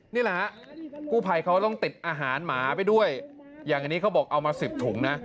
นี่แหละฮะกู้ภัยเขาต้องติดอาหารหมาไปด้วยอย่างนี้เขาบอกเอามา๑๐ถุงนะ